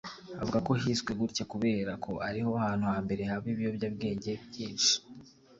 avuga ko hiswe gutya kubera ko ariho hantu hambere haba ibiyobyabwenge byinshi